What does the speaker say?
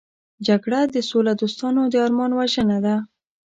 جګړه د سولهدوستو د ارمان وژنه ده